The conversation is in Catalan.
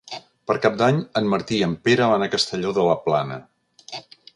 Per Cap d'Any en Martí i en Pere van a Castelló de la Plana.